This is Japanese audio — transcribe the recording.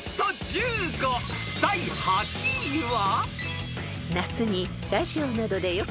［第８位は］